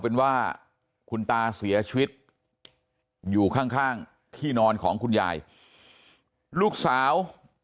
เป็นว่าคุณตาเสียชีวิตอยู่ข้างข้างที่นอนของคุณยายลูกสาว